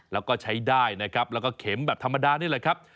แล้วก็ใช้ได้นะครับแล้วก็เข็มแบบธรรมดานี่แหละครับ